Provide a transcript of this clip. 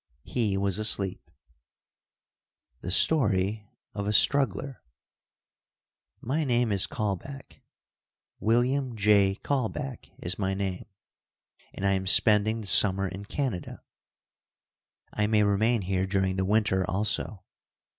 He was asleep. The Story of a Struggler. My name is Kaulbach. William J. Kaulbach is my name, and I am spending the summer in Canada. I may remain here during the winter, also.